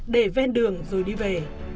để ven đường rồi đi về